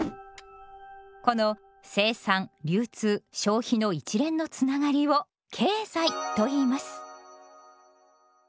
この生産流通消費の一連のつながりを経済といいます。